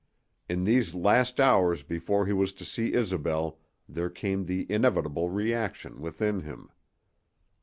In these last hours before he was to see Isobel there came the inevitable reaction within him.